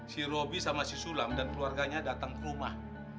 si roby sama si sulam dan keluarganya datang ke rumah